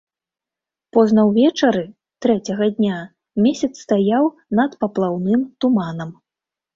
Позна ўвечары трэцяга дня месяц стаяў над паплаўным туманам.